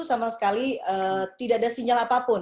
sama sekali tidak ada sinyal apapun